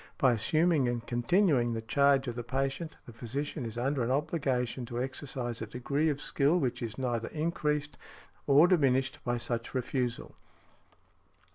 By assuming and continuing the charge of the patient, the physician is under an obligation to exercise a degree of skill which is neither increased or diminished by such refusal.